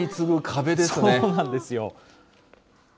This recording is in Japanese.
そうなんですよ。